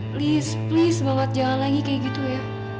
please please banget jalan lagi kayak gitu ya